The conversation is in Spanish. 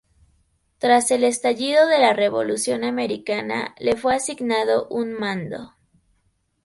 Tras el estallido de la Revolución americana, le fue asignado un mando.